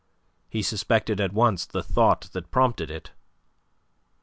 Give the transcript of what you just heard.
He suspected at once the thought that prompted it.